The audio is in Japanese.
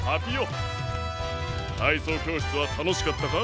たいそうきょうしつはたのしかったか？